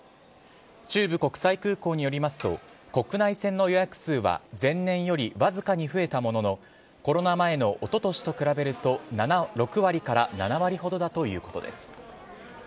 中部国際空港によりますと、国内線の予約数は前年より僅かに増えたものの、コロナ前のおととしと比べると６割から７割ほどだということです。